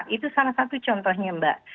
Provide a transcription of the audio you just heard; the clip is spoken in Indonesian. itu salah satu contohnya mbak